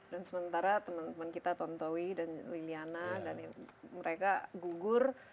dan sementara temen temen kita ton towi dan liliana dan mereka gugur